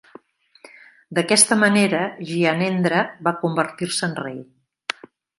D'aquesta manera, Gyanendra va convertir-se en rei.